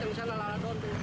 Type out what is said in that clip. yang misalnya lalaton tuh